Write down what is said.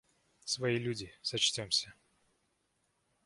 Свои люди сочтёмся!